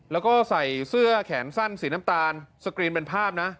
แล้วก็ใส่เสื้อแขนสั้นสีน้ำตาลสกรีนเป็นภาพนะ